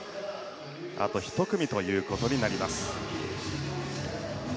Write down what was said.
あと１組ということになります。